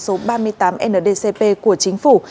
số ba mươi tám ndcp của chính phủ